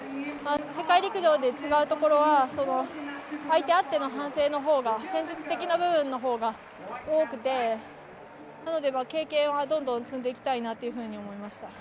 世界陸上で違うところは相手あっての反省の方が、戦術的な部分の方が多くてなので経験はどんどん積んでいきたいなと思いました。